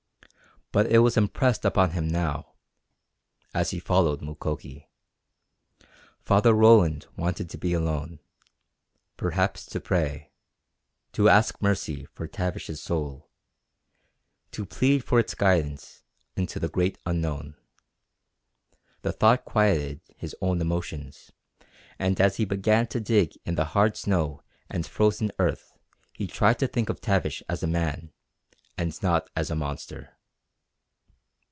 But it was impressed upon him now, as he followed Mukoki. Father Roland wanted to be alone. Perhaps to pray. To ask mercy for Tavish's soul. To plead for its guidance into the Great Unknown. The thought quieted his own emotions, and as he began to dig in the hard snow and frozen earth he tried to think of Tavish as a man, and not as a monster.